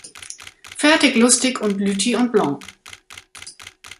Fertig lustig und Lüthi und Blanc.